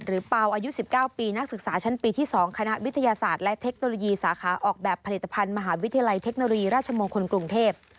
เปล่าอายุ๑๙ปีนักศึกษาชั้นปีที่๒คณะวิทยาศาสตร์และเทคโนโลยีสาขาออกแบบผลิตภัณฑ์มหาวิทยาลัยเทคโนโลยีราชมงคลกรุงเทพ